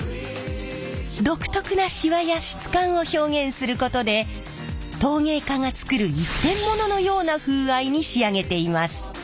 独特なシワや質感を表現することで陶芸家が作る一点物のような風合いに仕上げています。